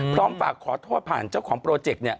พร้อมฝากขอโทษผ่านเจ้าของโปรเจกต์